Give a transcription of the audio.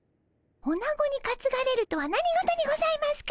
おなごにかつがれるとは何事にございますか！